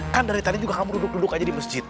kan dari tadi juga kamu duduk duduk aja di masjid